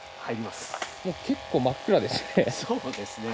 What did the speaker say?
結構真っ暗ですね。